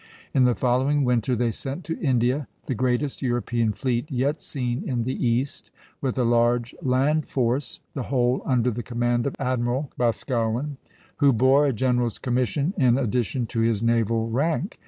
In the following winter they sent to India the greatest European fleet yet seen in the East, with a large land force, the whole under the command of Admiral Boscawen, who bore a general's commission in addition to his naval rank.